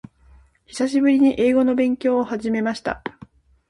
久しぶりに英語の勉強を始めました。